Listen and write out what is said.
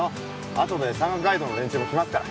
あとで山岳ガイドの連中も来ますから。